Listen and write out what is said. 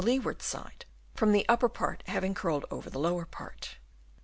287 leeward side, from the upper part having curled over the lower part.